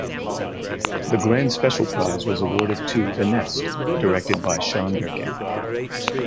The Grand Special Prize was awarded to "The Nest" directed by Sean Durkin.